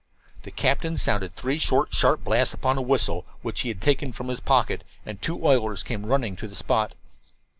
The captain sounded three short, sharp blasts upon a whistle which he had taken from his pocket, and two oilers came running to the spot.